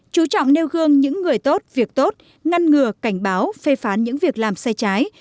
chú trọng nêu gương những người tốt việc tốt ngăn ngừa cảnh báo phê phán những việc làm sai trái